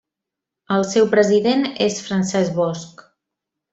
El seu president és Francesc Bosch.